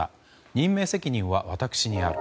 任命責任は私にある。